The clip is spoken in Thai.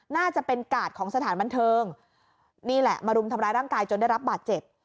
น่าจะเป็นกาดของสถานบันเทิงนี่แหละมารุมทำร้ายร่างกายจนได้รับบาดเจ็บ